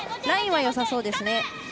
ラインはよさそうですね。